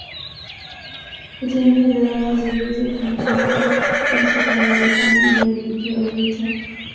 kutumia gharama zozote kumkamata mhusika Marekani imevijua vita